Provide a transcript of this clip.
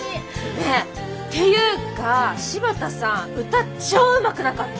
ねえていうか柴田さん歌超うまくなかった？